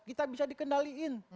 kita bisa dikendaliin